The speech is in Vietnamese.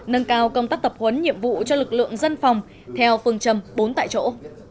nâng cao công tác tập huấn nhiệm vụ cho lực lượng dân phòng theo phương châm bốn tại chỗ